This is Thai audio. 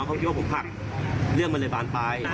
ขอโทษกัน